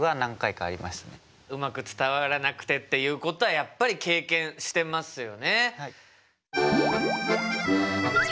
うまく伝わらなくてっていうことはやっぱり経験してますよね。